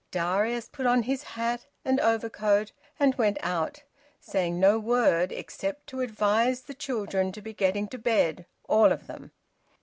Darius put on his hat and overcoat and went out, saying no word except to advise the children to be getting to bed, all of them.